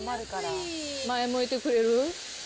前向いてくれる？